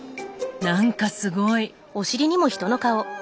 何かすごい。